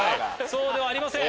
そうではありません。